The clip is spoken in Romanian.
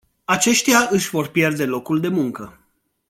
Aceștia își vor pierde locul de muncă.